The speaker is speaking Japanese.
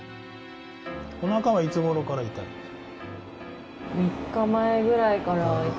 おなかはいつごろから痛いんですか。